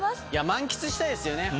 満喫したいですよね